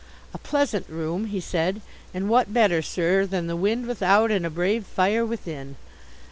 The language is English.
"A pleasant room," he said. "And what better, sir, than the wind without and a brave fire within!"